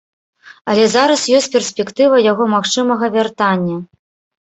Але зараз ёсць перспектыва яго магчымага вяртання.